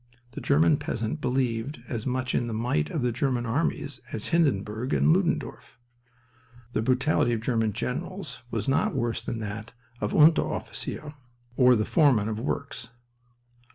The German peasant believed as much in the might of the German armies as Hindenburg and Ludendorff. The brutality of German generals was not worse than that of the Unteroffizier or the foreman of works.